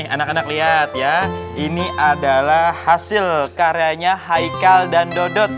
anak anak lihat ya ini adalah hasil karyanya haikal dan dodot